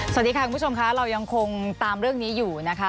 สวัสดีค่ะคุณผู้ชมค่ะเรายังคงตามเรื่องนี้อยู่นะคะ